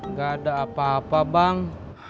nggak ada apa apa bang